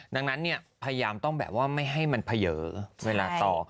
ดังนั้นพยายามต้องแบบว่าไม่ให้มันเผยเวลาต่อ